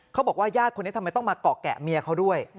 เขาบอกว่าญาติคนนี้ทำไมต้องมาเกาะแกะเมียเขาด้วย